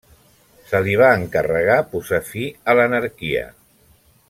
Se li va encarregar posar fi a l'anarquia.